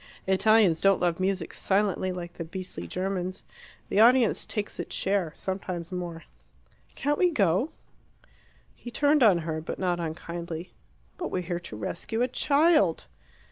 Italians don't love music silently, like the beastly Germans. The audience takes its share sometimes more." "Can't we go?" He turned on her, but not unkindly. "But we're here to rescue a child!"